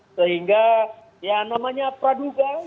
nah sehingga ya namanya praduga yang